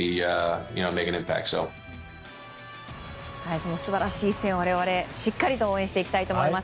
その素晴らしい一戦を我々、しっかりと応援したいと思います。